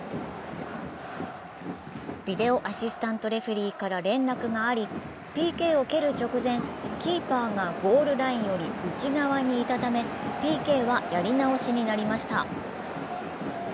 ビデオ・アシスタント・レフェリーから連絡がありＰＫを蹴る直前、キーパーがゴールラインより内側にいたため、ＰＫは、やり直しになりました。